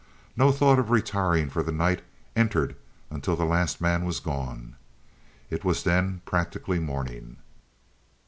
No thought of retiring for the night entered until the last man was gone. It was then practically morning.